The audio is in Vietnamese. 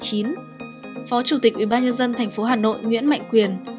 phó chủ tịch ubnd thành phố hà nội nguyễn mạnh quyền